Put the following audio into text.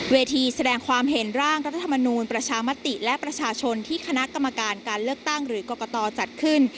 แสดงความเห็นร่างรัฐธรรมนูลประชามติและประชาชนที่คณะกรรมการการเลือกตั้งหรือกรกตจัดขึ้น